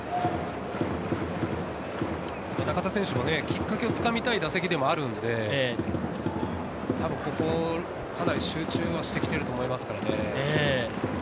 中田選手もきっかけを掴みたい打席ではあるので、多分ここ、かなり集中してきてると思いますので。